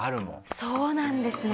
そうなんですね